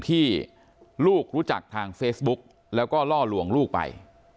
ที่ลูกรู้จักทางเฟซบุ๊กแล้วก็ล่อลวงลูกไป